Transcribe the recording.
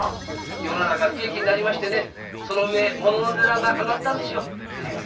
世の中不景気になりましてね物の値段が上がったんですよ。